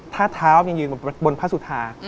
ถ้าเท้ายังยืนบนพระสุธา